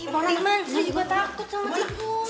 bang rahman saya juga takut sama tikus